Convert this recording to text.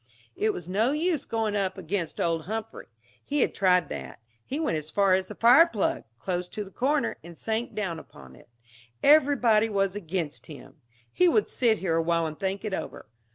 It was no use going up against old Humphrey. He had tried that. He went as far as the fire plug, close to the corner, and sank down upon it. Everybody was against him. He would sit here awhile and think it over.